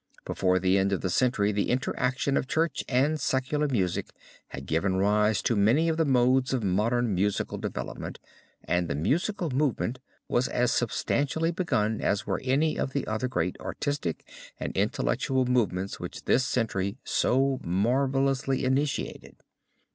Before the end of the century the interaction of church and secular music had given rise to many of the modes of modern musical development, and the musical movement was as substantially begun as were any of the other great artistic and intellectual movements which this century so marvelously initiated.